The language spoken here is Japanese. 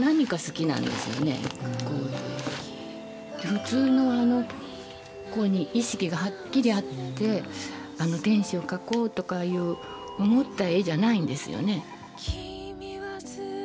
普通のこういうふうに意識がはっきりあって天使を描こうとかいう思った絵じゃないんですよね。